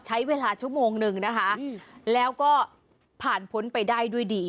ใช้เวลาชั่วโมงนึงนะคะแล้วก็ผ่านพ้นไปได้ด้วยดี